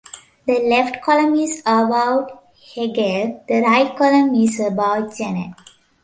The left column is about Hegel, the right column is about Genet.